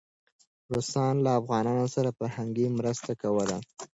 روسان له افغانانو سره فرهنګي مرسته کوله.